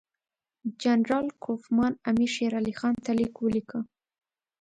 جنرال کوفمان امیر شېر علي خان ته لیک ولیکه.